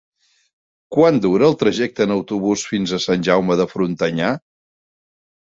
Quant dura el trajecte en autobús fins a Sant Jaume de Frontanyà?